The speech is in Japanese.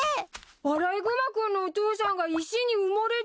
アライグマ君のお父さんが石に埋もれてる！